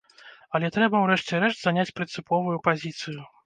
Але трэба у рэшце рэшт заняць прынцыповую пазіцыю.